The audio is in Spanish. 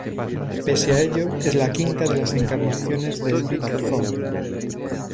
Pese a ello es la quinta de las encarnaciones del Bic Phone.